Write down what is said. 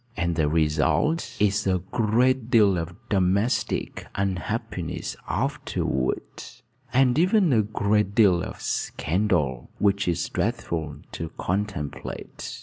And the result is a great deal of domestic unhappiness afterward and even a great deal of scandal, which is dreadful to contemplate.